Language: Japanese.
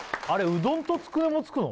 うどんとつくねもつくの？